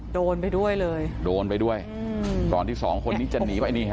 โดนไปด้วยเลยโดนไปด้วยอืมก่อนที่สองคนนี้จะหนีไปนี่ฮะ